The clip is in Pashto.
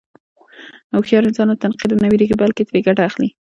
هوښیار انسان له تنقیده نه وېرېږي، بلکې ترې ګټه اخلي.